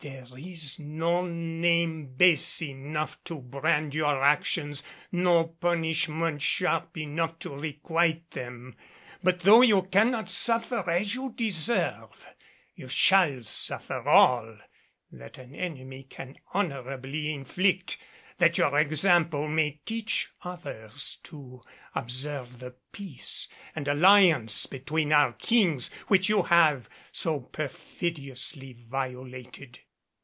There is no name base enough to brand your actions, no punishment sharp enough to requite them. But though you cannot suffer as you deserve, you shall suffer all that an enemy can honorably inflict, that your example may teach others to observe the peace and alliance between our Kings which you have so perfidiously violated."